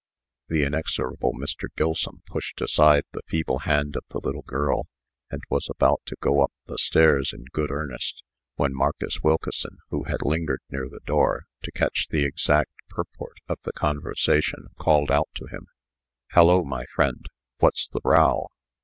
The inexorable Mr. Gilsum pushed aside the feeble hand of the little girl, and was about to go up the stairs in good earnest, when Marcus Wilkeson, who had lingered near the door to catch the exact purport of the conversation, called out to him: "Hallo, my friend! what's the row?"